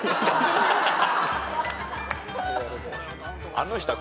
あの人は。